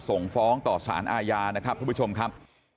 ส่งฟ้องต่อสารอาญานะครับทุกผู้ชมครับ